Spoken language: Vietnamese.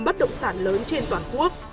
bất động sản lớn trên toàn quốc